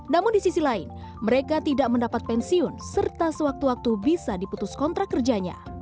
namun di sisi lain mereka tidak mendapat pensiun serta sewaktu waktu bisa diputus kontrak kerjanya